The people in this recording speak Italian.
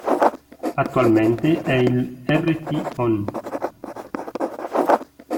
Attualmente è il Rt Hon.